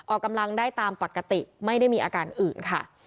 ออกกำลังได้ตามปกติไม่ได้มีอาการอื่นค่ะ